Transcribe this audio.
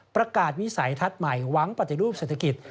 ประกาศวิสัยทัศน์ใหม่หวังปฏิรูปเศรษฐกิจ